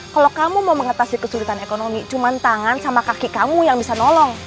kalau kamu mau mengatasi kesulitan ekonomi cuma tangan sama kaki kamu yang bisa nolong